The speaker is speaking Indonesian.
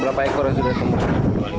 berapa ekor yang sudah sembuh